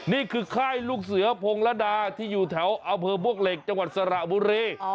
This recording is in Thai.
นี่คือค่ายลูกเสือพงระดาที่อยู่แถวอำเภอบวกเหล็กจังหวัดสระบุรี